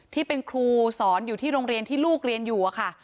ที่เป็นครูสอนอยู่ที่โรงเรียนที่ลูกเรียนอยู่ค่ะ